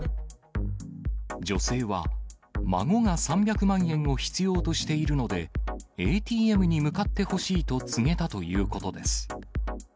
女性は孫が３００万円を必要としているので、ＡＴＭに向かってほしいと告げたということです。